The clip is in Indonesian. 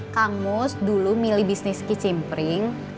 kang mus dulu milih bisnis kicimpring